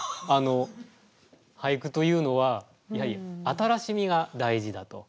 俳句というのはやはり新しみが大事だと。